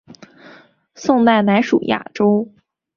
宋代仍属雅州。